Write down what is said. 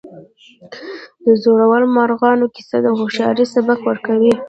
د زړورو مارغانو کیسه د هوښیارۍ سبق ورکوي.